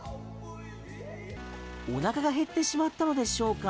お腹が減ってしまったのでしょうか。